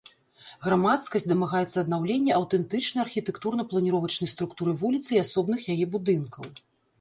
Грамадскасць дамагаецца аднаўлення аўтэнтычнай архітэктурна-планіровачнай структуры вуліцы і асобных яе будынкаў.